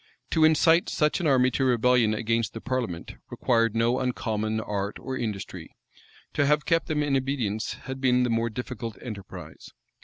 To incite such an army to rebellion against the parliament, required no uncommon art or industry: to have kept them in obedience had been the more difficult enterprise.